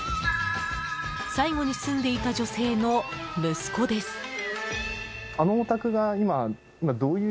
最後に住んでいた女性の息子です。